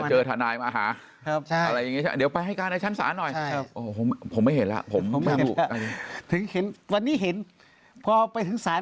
เจอทนายมาหาอะไรอย่างนี้เดี๋ยวไปให้การในชั้นศาลหน่อย